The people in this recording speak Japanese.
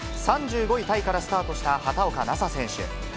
３５位タイからスタートした畑岡奈紗選手。